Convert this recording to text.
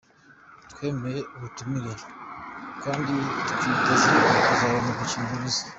Twemeye ubutumire kandi twiteze kuzabona umukino mwiza”.